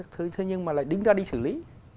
thế nhưng mà lại đứng ra đi xử lý